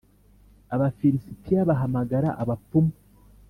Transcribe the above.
Abafilisitiya bahamagara abapfumu